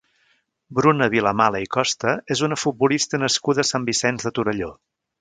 Bruna Vilamala i Costa és una futbolista nascuda a Sant Vicenç de Torelló.